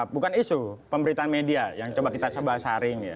bukan isu pemberitaan media yang coba kita sebahas hari ini